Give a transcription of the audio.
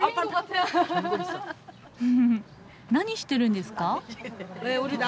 ふふふ何してるんですか？